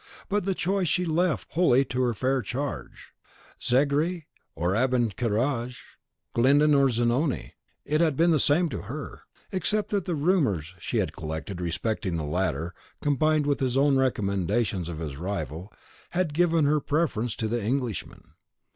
But the choice she left wholly to her fair charge. Zegri or Abencerrage, Glyndon or Zanoni, it had been the same to her, except that the rumours she had collected respecting the latter, combined with his own recommendations of his rival, had given her preference to the Englishman.